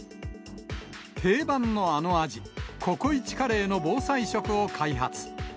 定番のあの味、ココイチカレーの防災食を開発。